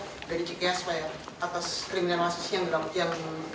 saya ingin ke kisp ya atas kriminalisasi yang dalam tiang ini